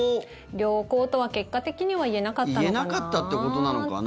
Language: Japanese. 良好とは結果的にはいえなかったのかな。